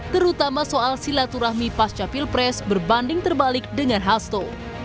terutama soal silaturahmi pasca pilpres berbanding terbalik dengan hasto